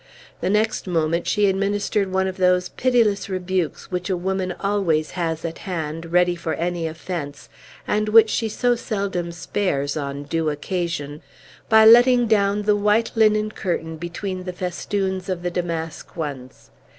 The next moment she administered one of those pitiless rebukes which a woman always has at hand, ready for any offence (and which she so seldom spares on due occasion), by letting down a white linen curtain between the festoons of the damask ones.